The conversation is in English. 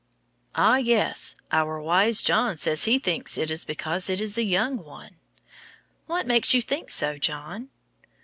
Ah, yes, our wise John says he thinks it is because it is a young one. What makes you think so, John?